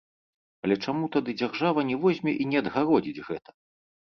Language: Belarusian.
Але чаму тады дзяржава не возьме і не адгародзіць гэта?